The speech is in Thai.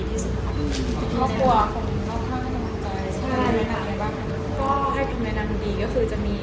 ใช่ก็ให้คุณแนะนำดีก็คือจะมี